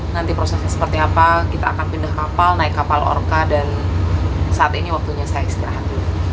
nanti prosesnya seperti apa kita akan pindah kapal naik kapal orka dan saat ini waktunya saya istirahat dulu